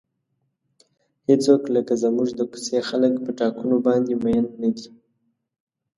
هیڅوک لکه زموږ د کوڅې خلک په ټاکنو باندې مین نه دي.